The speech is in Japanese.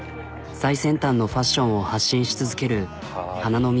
最先端のファッションを発信し続ける花の都。